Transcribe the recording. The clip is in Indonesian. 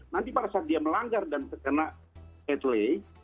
nanti pada saat dia melanggar dan terkena atlay